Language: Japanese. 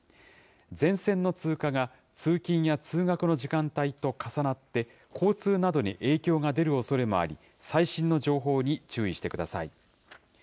前線の通過が通勤や通学の時間帯と重なって、交通などに影響が出るおそれもあり、最新の情報に注意してください。